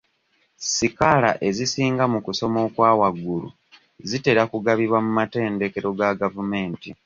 Sikaala ezisinga mu kusoma okwa waggulu zitera kugabibwa mu matendekero ga gavumenti.